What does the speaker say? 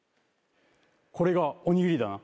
これがおにぎりだな。